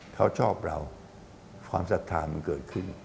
เขาชอบเราความศรัทธามันเกิดขึ้น